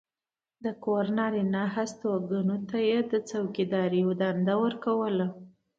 د کور نارینه هستوګنو ته یې د څوکېدارۍ دنده ورکوله.